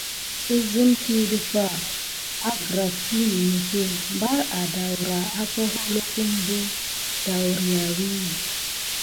Əzəm kiy ɗəfa vi agra ki ninegué bar adaora aka holokum bo dariyaku.